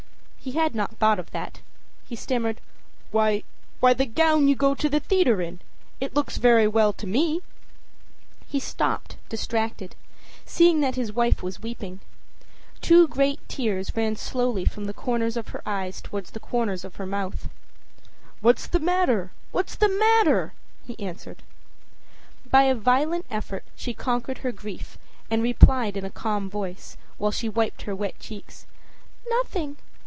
â He had not thought of that. He stammered: âWhy, the gown you go to the theatre in. It looks very well to me.â He stopped, distracted, seeing that his wife was weeping. Two great tears ran slowly from the corners of her eyes toward the corners of her mouth. âWhat's the matter? What's the matter?â he answered. By a violent effort she conquered her grief and replied in a calm voice, while she wiped her wet cheeks: âNothing.